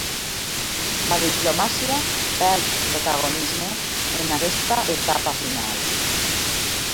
La diplomàcia perd protagonisme en aquesta etapa final